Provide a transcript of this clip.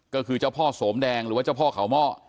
ก็คือเจ้าพ่อโสมแดงหรือว่าเจ้าพ่อเขาหม้อ